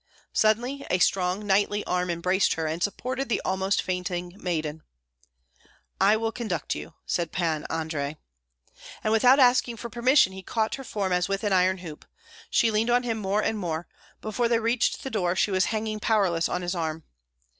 Suddenly a strong knightly arm embraced her, and supported the almost fainting maiden. "I will conduct you," said Pan Andrei. And without asking for permission he caught her form as if with an iron hoop. She leaned on him more and more; before they reached the door, she was hanging powerless on his arm.